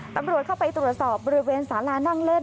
ตำรวจเข้าไปตรวจสอบบริเวณสารานั่งเล่น